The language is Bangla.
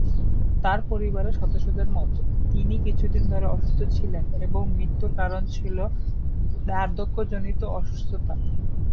তার পরিবারের সদস্যদের মতে, তিনি কিছুদিন ধরে অসুস্থ ছিলেন, এবং মৃত্যুর কারণ ছিল বার্ধক্য জনিত অসুস্থতা।